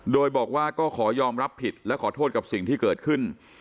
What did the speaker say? โดยบอกว่าก็ขอยอมรับผิดและขอโทษกับสิ่งที่เกิดขึ้น